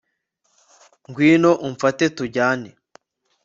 ngwino umfate tujyane